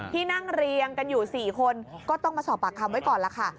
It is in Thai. ที่นั่งเรียงกันอยู่๔คนก็ต้องมาสอบปากคำไว้ก่อนล่ะค่ะ